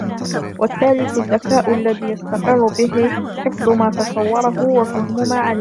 وَالثَّالِثُ الذَّكَاءُ الَّذِي يَسْتَقِرُّ بِهِ حِفْظُ مَا تَصَوَّرَهُ وَفَهْمُ مَا عَلِمَهُ